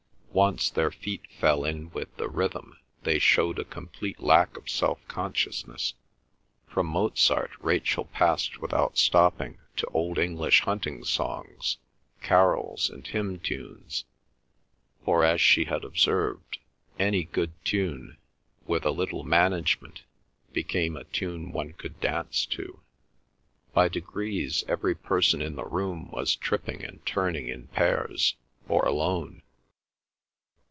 Once their feet fell in with the rhythm they showed a complete lack of self consciousness. From Mozart Rachel passed without stopping to old English hunting songs, carols, and hymn tunes, for, as she had observed, any good tune, with a little management, became a tune one could dance to. By degrees every person in the room was tripping and turning in pairs or alone.